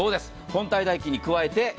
本体代金に加えて。